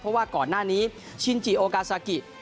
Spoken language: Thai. เพราะว่าก่อนหน้านี้ชินจิโอกาซากิ